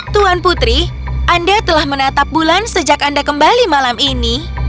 tuan putri anda telah menatap bulan sejak anda kembali malam ini